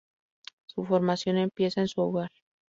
Su formación empieza en su hogar.